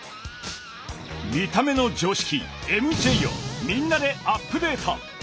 見た目の常識ＭＪをみんなでアップデート！